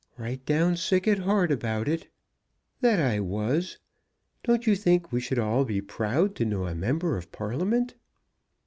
"Right down sick at heart about it; that I was. Don't you think we should all be proud to know a member of Parliament?"